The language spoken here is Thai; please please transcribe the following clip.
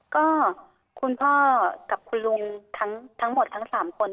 ก็คุณพ่อกับคุณลุงทั้งหมดทั้ง๓คน